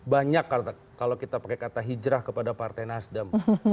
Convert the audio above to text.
banyak kalau kita pakai kata hijrah kepada partai nasdem